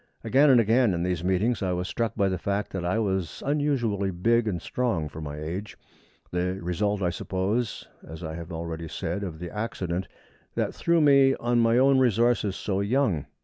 Again and again in these meetings I was struck by the fact that I was unusually big and strong for my age, the result, I suppose, as I have already said, of the accident that threw me on my own resources so young.